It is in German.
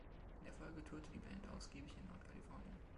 In der Folge tourte die Band ausgiebig in Nord-Kalifornien.